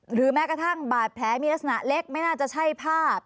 หรือแม้กระทั่งบาดแผลมีลักษณะเล็กไม่น่าจะใช่ภาพ